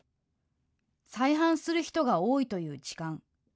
再犯する人が多いという痴漢。